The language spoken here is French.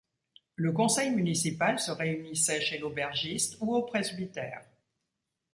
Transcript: Le conseil municipal se réunissait chez l'aubergiste ou au presbytère.